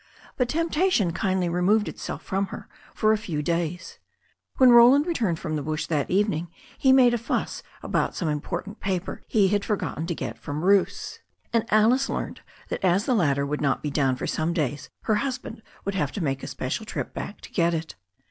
But temptation kindly removed itself from her for a few days. When Roland returned from the bush that evening he made a fuss about some important paper he had forgot ten to get from Bruce. And Alice learned that as the latter would not be down for some days her husband would have to make a special trip back to get it.